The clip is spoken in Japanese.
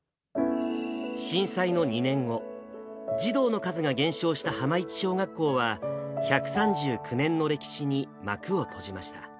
震災の２年後、児童の数が減少した浜市小学校は、１３９年の歴史に幕を閉じました。